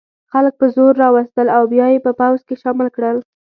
خلک په زور را وستل او بیا یې په پوځ کې شامل کړل.